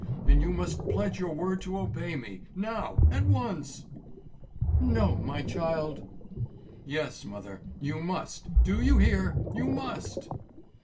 And you must pledge your word to obey me, now, at once." "No, my child." "Yes, mother, you must; do you hear? You must."